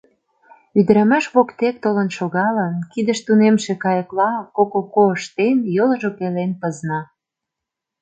Ӱдырамаш воктек толын шогалын, кидыш тунемше кайыкла, «Ко-ко-ко» ыштен, йолжо пелен пызна.